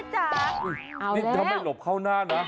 ทำไมหลบเข้าหน้านะ